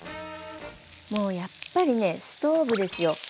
もうやっぱりねストーブですよ。